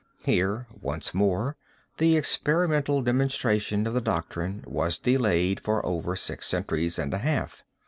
Here once more the experimental demonstration of the doctrine was delayed for over six centuries and a half.